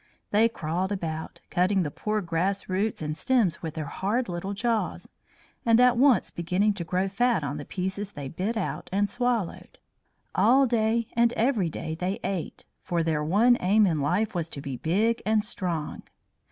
They crawled about, cutting the poor grass roots and stems with their hard little jaws, and at once beginning to grow fat on the pieces they bit out and swallowed. All day and every day they ate, for their one aim in life was to be big and strong.